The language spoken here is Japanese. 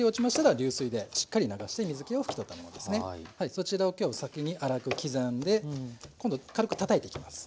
そちらを今日は先に粗く刻んで今度は軽くたたいていきます。